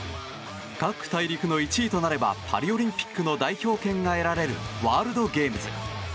各大陸の１位となればパリオリンピックの代表権が得られる、ワールドゲームズ。